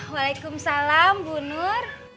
waalaikumsalam bu nur